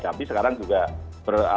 tapi sekarang juga tidak sempat